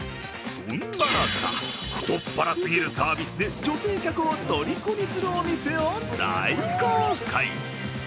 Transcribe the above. そんな中、太っ腹すぎるサービスで女性客をとりこにするお店を大公開！